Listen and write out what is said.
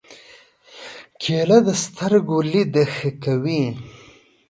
کېله د سترګو لید ښه کوي.